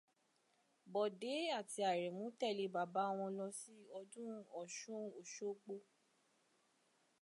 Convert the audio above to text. Bọ̀dé àti Àrẹ̀mú tẹ̀lé bàbá wọn lọ sí ọdún Ọ̀ṣun Òṣogbo.